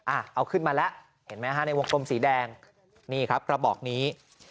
อ่ะเอาขึ้นมาแล้วเห็นไหมฮะในวงกลมสีแดงนี่ครับกระบอกนี้